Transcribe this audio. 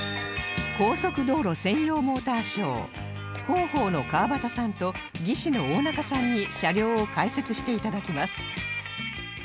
高速道路専用モーターショー広報の川端さんと技師の大中さんに車両を解説して頂きます